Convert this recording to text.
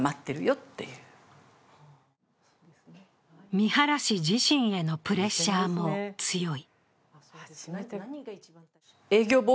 三原氏自身へのプレッシャーも強い。